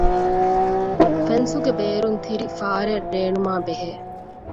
ފެންސުގެ ބޭރުން ތިރި ފާރެއް ރޭނުމާބެހޭ